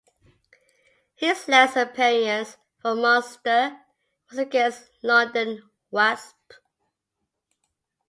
His last appearance for Munster was against London Wasps.